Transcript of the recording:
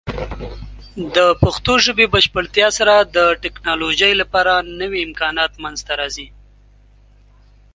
د پښتو ژبې بشپړتیا سره، د ټیکنالوجۍ لپاره نوې امکانات منځته راځي.